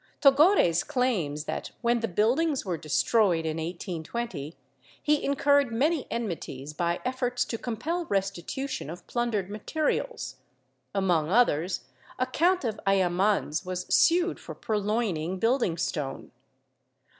Togores claims that, when the buildings were destroyed in 1820, he incurred many enmities by efforts to compel restitution of plundered materials— among others a Count of A} amans was sued for purloining building stone.